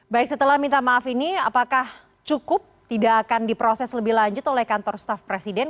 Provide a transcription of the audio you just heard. baik setelah minta maaf ini apakah cukup tidak akan diproses lebih lanjut oleh kantor staff presiden